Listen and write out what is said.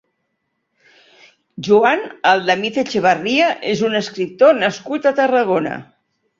Joan Aldamizetxebarria és un escriptor nascut a Tarragona.